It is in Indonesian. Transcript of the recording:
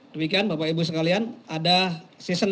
demikian bapak ibu sekalian ada season tanya jawab silakan